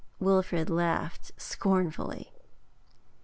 Wilfrid laughed scornfully.